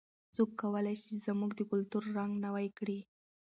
څوک کولای سي چې زموږ د کلتور رنګ نوی کړي؟